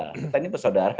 kita ini pesaudara